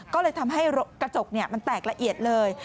ก็เลยทำให้กระจกมันแตกละเอียดเลย